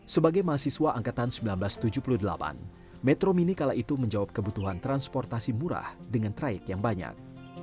sebagai mahasiswa angkatan seribu sembilan ratus tujuh puluh delapan metro mini kala itu menjawab kebutuhan transportasi murah dengan traik yang banyak